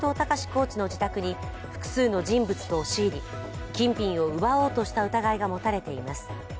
コーチの自宅に複数の人物と押し入り金品を奪おうとした疑いが持たれています。